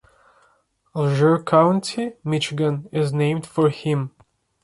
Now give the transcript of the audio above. Alger County, Michigan, is named for him.